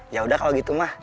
ya udah kalau gitu mah